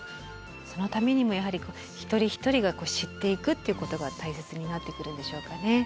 そのためにもやはり一人一人が知っていくっていうことが大切になってくるんでしょうかね。